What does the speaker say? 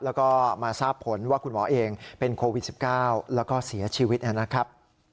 แล้วก็มาทราบผลว่าคุณหมอเองเป็นโควิด๑๙แล้วก็เสียชีวิตนะครับ